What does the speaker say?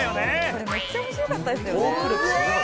「これめっちゃ面白かったですよね」